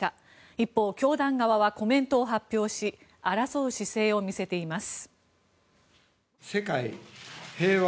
一方、教団側はコメントを発表し争う姿勢を見せています。